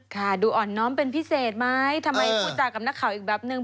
ค่ะดูอ่อนน้อมเป็นพิเศษไหมทำไมพูดจากับนักข่าวอีกแบบนึง